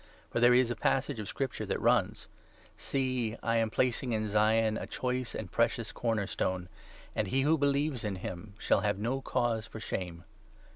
For there is a 6 passage of Scripture that runs —' See, I am placing in Zion a choice and precious corner stone ; And he who believes in him shall have no cause for shame.'